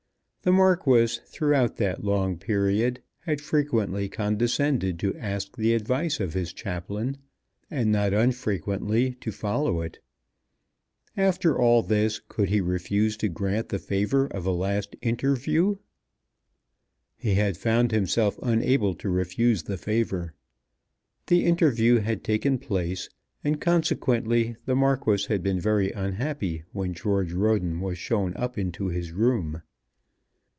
The Marquis throughout that long period had frequently condescended to ask the advice of his chaplain, and not unfrequently to follow it. After all this could he refuse to grant the favour of a last interview? He had found himself unable to refuse the favour. The interview had taken place, and consequently the Marquis had been very unhappy when George Roden was shown up into his room.